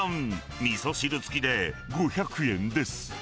みそ汁つきで５００円です。